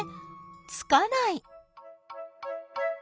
つかない。